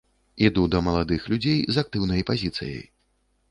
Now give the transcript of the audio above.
Іду да маладых людзей з актыўнай пазіцыяй.